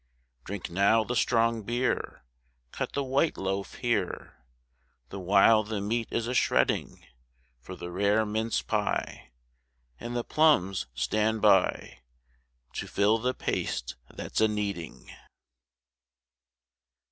Drink now the strong beer, Cut the white loaf here, The while the meat is a shredding; For the rare mince pie And the plums stand by To fill the paste that's a kneading.